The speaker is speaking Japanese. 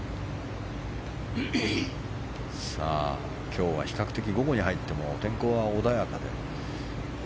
今日は比較的、午後に入っても天候は穏やかで。